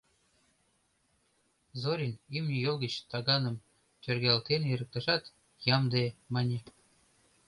Зорин имне йол гыч таганым тӧргалтен эрыктышат, «Ямде», — мане.